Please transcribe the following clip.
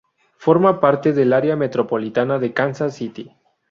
Forma parte del área metropolitana de Kansas City.